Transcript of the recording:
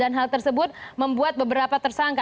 untuk membuat beberapa tersangka